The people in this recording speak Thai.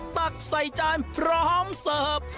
ตักใส่จานพร้อมเสิร์ฟ